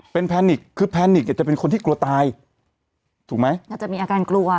เป็นคือจะเป็นคนที่กลัวตายถูกไหมจะมีอาการกลัว